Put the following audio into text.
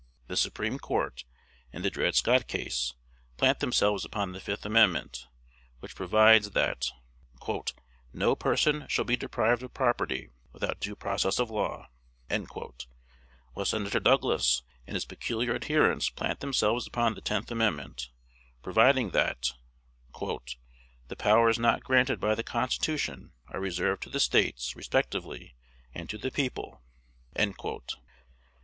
The Supreme Court, in the Dred Scott case, plant themselves upon the fifth amendment, which provides that "no person shall be deprived of property without due process of law;" while Senator Douglas and his peculiar adherents plant themselves upon the tenth amendment, providing that "the powers not granted by the Constitution are reserved to the States respectively and to the people."